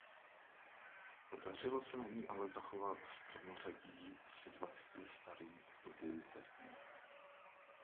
Podařilo se na ní ale zachovat stromořadí asi dvaceti starých dubů letních.